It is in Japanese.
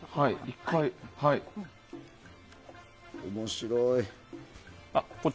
面白い。